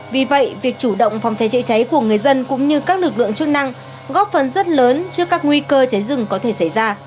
vì vậy việc chủ động phòng cháy chữa cháy của người dân cũng như các lực lượng chức năng góp phần rất lớn trước các nguy cơ cháy rừng có thể xảy ra